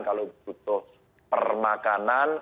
kalau butuh permakanan